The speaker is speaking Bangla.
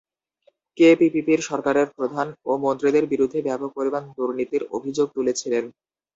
কে পিপিপির সরকারের প্রধান ও মন্ত্রীদের বিরুদ্ধে ব্যাপক পরিমাণ দুর্নীতির অভিযোগ তুলেছিলেন?